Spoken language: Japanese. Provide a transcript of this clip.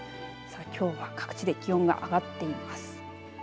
きょうは各地で気温が上がっています。